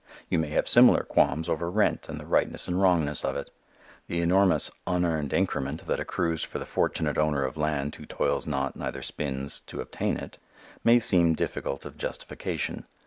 You may have similar qualms over rent and the rightness and wrongness of it. The enormous "unearned increment" that accrues for the fortunate owner of land who toils not neither spins to obtain it, may seem difficult of justification.